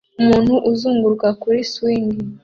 Umuntu uzunguruka kuri swing